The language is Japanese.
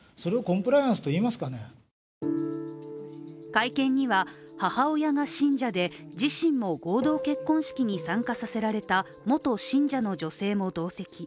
会見には母親が信者で自身も合同結婚式に参加させられた元信者の女性も同席。